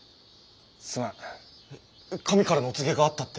神からのお告げがあったって。